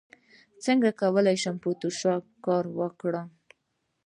څنګه کولی شم په فوټوشاپ کار وکړم